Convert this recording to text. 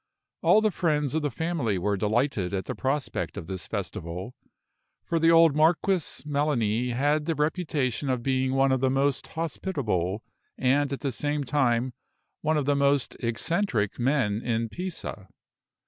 All the friends of the family were delighted at the prospect of this festival; for the old Marquis Melani had the reputation of being one of the most hospitable, and, at the same time, one of the most eccentric men in Pisa.